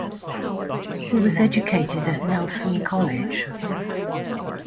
He was educated at Nelson College.